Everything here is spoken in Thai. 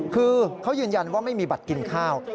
คือเขายืนยันว่าไม่มีบัตรกินข้าว